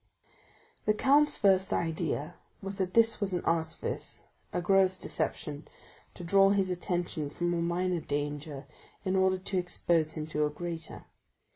'" The count's first idea was that this was an artifice—a gross deception, to draw his attention from a minor danger in order to expose him to a greater.